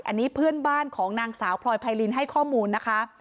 อันนี้เพื่อนบ้านของนางสาวพลอยไพรินให้ข้อมูลนะคะ